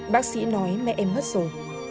bác sĩ nói mẹ em mất rồi